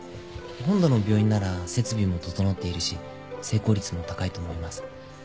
本土の病院なら設備も整っているし成功率も高いと思います。